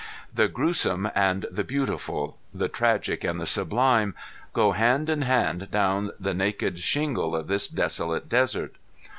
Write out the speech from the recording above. The gruesome and the beautiful, the tragic and the sublime, go hand in hand down the naked shingle of this desolate desert.